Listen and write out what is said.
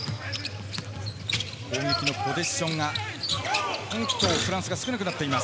攻撃のポゼッションがフランスが少なくなっています。